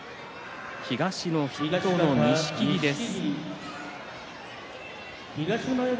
東の筆頭の錦木です。